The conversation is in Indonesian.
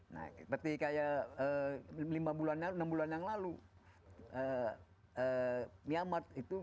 nah seperti kayak lima bulan enam bulan yang lalu